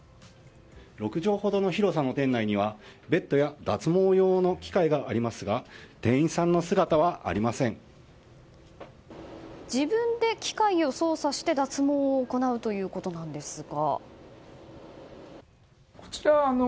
６畳ほどの広さの店内にはベッドや脱毛用の機械はありますが自分で機械を操作して脱毛を行うということですが。